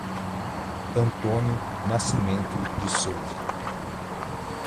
Antônio Nascimento de Souza